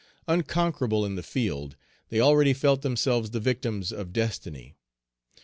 Unconquerable in the field, they already felt themselves the victims of destiny.